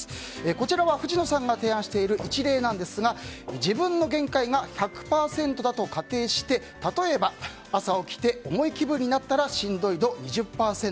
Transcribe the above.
こちらは、藤野さんが提案している一例なんですが自分の限界が１００％だと仮定して例えば朝起きて重い気分になったらしんどい度２０％。